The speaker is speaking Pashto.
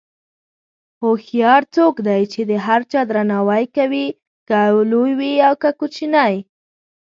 هوښیار څوک دی چې د هر چا درناوی کوي، که لوی وي که کوچنی.